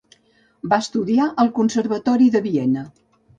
Va estudiar al Conservatori de Viena.